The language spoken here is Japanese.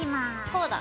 こうだ！